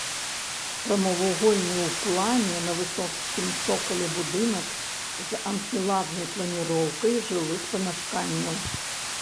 Прамавугольны ў плане на высокім цокалі будынак з анфіладнай планіроўкай жылых памяшканняў.